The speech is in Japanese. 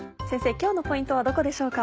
今日のポイントはどこでしょうか？